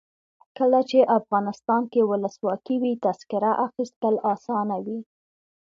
کله چې افغانستان کې ولسواکي وي تذکره اخیستل اسانه وي.